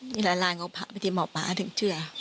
ทีหลายรายเขาพาไปที่หมอป๊าถึงเชื่อ